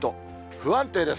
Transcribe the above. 不安定です。